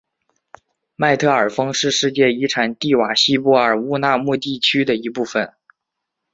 麦特尔峰是世界遗产蒂瓦希波乌纳穆地区的一部分。